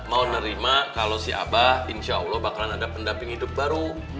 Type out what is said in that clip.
mau nerima kalau si abah insya allah bakalan ada pendamping hidup baru